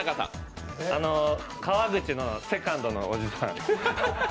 川口のセカンドのおじさん。